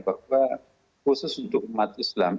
bahwa khusus untuk umat islam